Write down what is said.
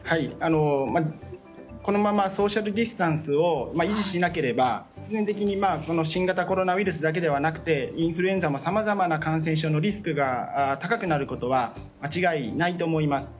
このままソーシャルディスタンスを維持しなければ必然的に新型コロナウイルスだけではなくてインフルエンザもさまざまな感染症のリスクが高くなることは間違いないと思います。